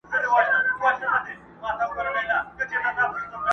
زاهده پرې مي ږده ځواني ده چي دنیا ووینم!.